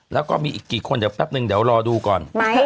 แล้วก็มีอีกกี่คนเดี๋ยวรอดูก่อน